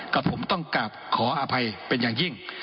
กับผมต้องกลับขออภัยเป็นอย่างยิ่ง